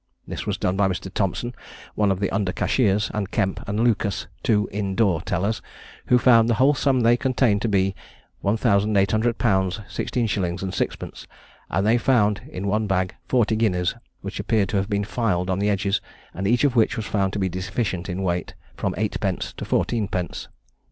This was done by Mr. Thompson, one of the under cashiers, and Kemp and Lucas, two in door tellers, who found the whole sum they contained to be 1,800_l._ 16_s._ 6_d._; and they found in one bag forty guineas, which appeared to have been filed on the edges, and each of which was found to be deficient in weight, from eight pence to fourteen pence.